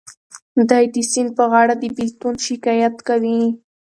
دی د سیند په غاړه د بېلتون شکایت کوي.